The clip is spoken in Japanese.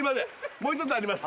もう一つあります